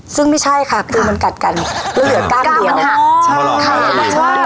ซึ่งไม่ใช่ค่ะคือมันกัดกันมันเหลือก้ามันหักอ๋อใช่ค่ะ